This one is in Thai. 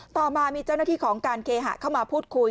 ต่อมามีเจ้าหน้าที่ของการเคหะเข้ามาพูดคุย